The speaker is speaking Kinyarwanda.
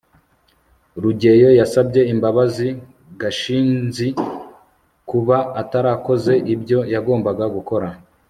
rugeyo yasabye imbabazi gashinzi kuba atarakoze ibyo yagombaga gukora